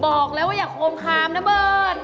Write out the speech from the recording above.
บอกแล้วว่าอย่าโคมคามนะเบิ้ล